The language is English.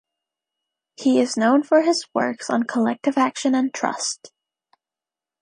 He is known for his works on collective action and trust.